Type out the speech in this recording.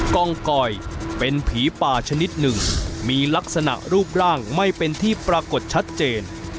กองกอยเป็นผีป่าชนิดหนึ่งมีลักษณะรูปร่างไม่เป็นที่ปรากฏชัดเจน